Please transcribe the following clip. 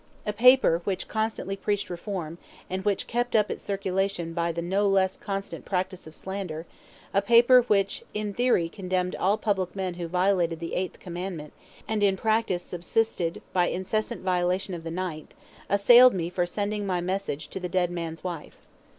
A paper which constantly preached reform, and which kept up its circulation by the no less constant practice of slander, a paper which in theory condemned all public men who violated the eighth commandment, and in practice subsisted by incessant violation of the ninth, assailed me for sending my message to the dead man's wife.